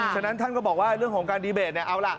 ฉะนั้นท่านก็บอกว่าเรื่องของการดีเบตเนี่ยเอาล่ะ